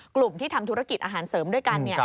กลุ่มที่ทำธุรกิจอาหารเสริมด้วยกัน